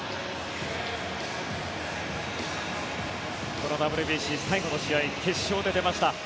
このＷＢＣ最後の試合決勝で出ました。